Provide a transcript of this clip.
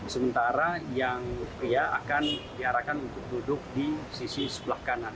sementara yang pria akan diarahkan untuk duduk di sisi sebelah kanan